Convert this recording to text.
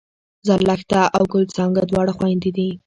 زرلښته او ګل څانګه دواړه خوېندې دي